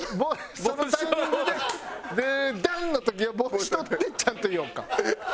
そのタイミングで「デデデデン！」の時は帽子取ってちゃんと言おうか。